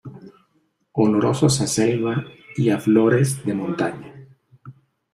Olorosos a selva y a flores de montaña.